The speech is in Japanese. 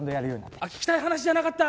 聞きたい話じゃなかった！